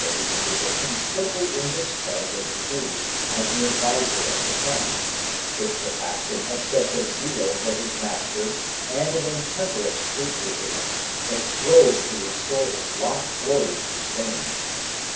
I] THE INQUISITOR GENERALSHIP 319 of his duty as an adviser of the crown, with perhaps an excess of zeal for his master and an intemperate patriotism that strove to restore its lost glories to Spain.